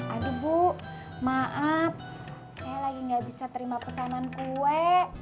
aduh bu maaf saya lagi gak bisa terima pesanan kue